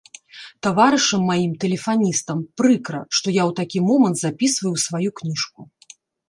Таварышам маім, тэлефаністам, прыкра, што я ў такі момант запісваю ў сваю кніжку.